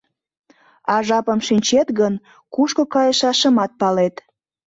А жапым шинчет гын, кушко кайышашымат палет.